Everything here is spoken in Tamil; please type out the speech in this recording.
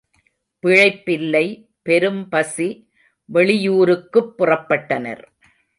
பிழைப்பில்லை பெரும்பசி—வெளியூருக்குப் புறப்பட்டனர்.